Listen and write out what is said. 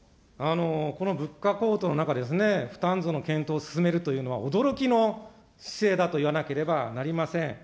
この物価高騰の中ですね、負担増の検討を進めるというのは、驚きの姿勢だと言わなければなりません。